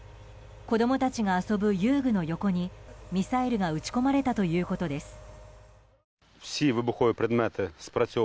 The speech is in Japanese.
子供たちが遊ぶ遊具の横にミサイルが撃ち込まれたということです。